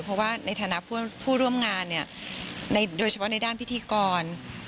เพราะว่าในฐานะผู้ร่วมงานเนี่ยโดยเฉพาะในด้านพิธีกร